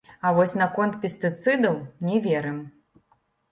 А вось наконт пестыцыдаў не верым.